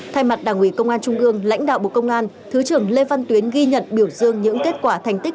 thay mặt đảng ủy công an trung ương lãnh đạo bộ công an thứ trưởng lê văn tuyến ghi nhận biểu dương những kết quả thành tích